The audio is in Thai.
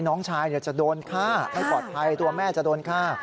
น้องชายจะโดนฆ่าไม่ปลอดภัยตัวแม่จะโดนฆ่า